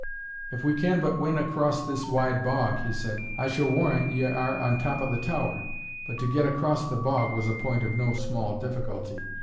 "If we can but win across this wide bog," he said, "I shall warrant ye are on the top of the tower." But to get across the bog was a point of no small difficulty.